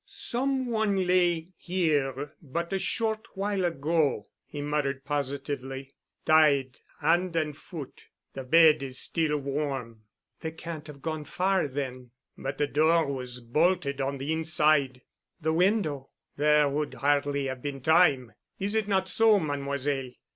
"Some one lay here but a short while ago," he muttered positively, "tied hand and foot. The bed is still warm." "They can't have gone far then——" "But the door was bolted on the inside——" "The window——" "There would hardly have been time, is it not so, Mademoiselle?"